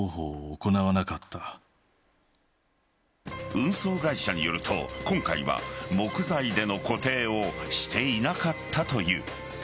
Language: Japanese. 運送会社によると、今回は木材での固定をしていなかったという。